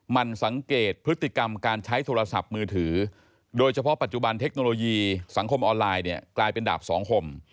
มันสังเกตพฤติกรรมการใช้โทรศัพท์มือถือโดยเฉพาะปัจจุบันเทคโนโลยีสังคมออนไลน์เนี่ยกลายเป็นดาบสองคม